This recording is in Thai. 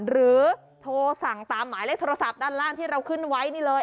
หรือโทรสั่งตามหมายเลขโทรศัพท์ด้านล่างที่เราขึ้นไว้นี่เลย